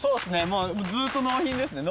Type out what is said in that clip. もうずっと納品ですね。